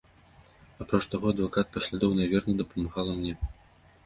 Апроч таго, адвакат паслядоўна і верна дапамагала мне.